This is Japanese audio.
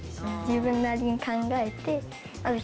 自分なりに考えてまず。